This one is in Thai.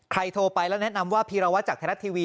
ใครโทรไปแล้วแนะนำว่าพิราวะจากธรรมทีวี